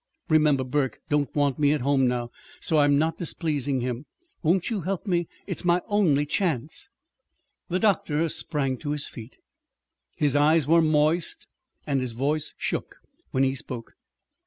Remember, Burke don't want me at home, now, so I'm not displeasing him. Won't you help me? It's my only chance!" The doctor sprang to his feet. His eyes were moist and his voice shook when he spoke.